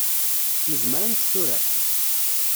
Nezmer ad nečč tura?